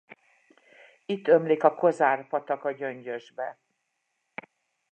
Itt ömlik a Kozár patak a Gyöngyösbe.